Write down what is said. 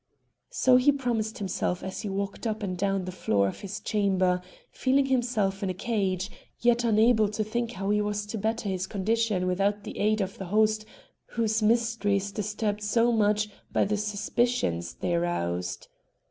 So he promised himself as he walked up and down the floor of his chamber, feeling himself in a cage, yet unable to think how he was to better his condition without the aid of the host whose mysteries disturbed so much by the suspicions they aroused.